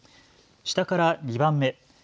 下から２番目。